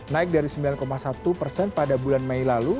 naik dari sembilan satu persen pada bulan mei lalu